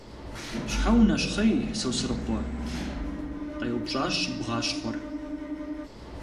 – Щхьэ унэщхъей, Сосрыкъуэ? – къеупщӀащ бгъащхъуэр.